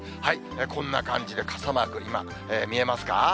こんな感じで、傘マーク、今、見えますか？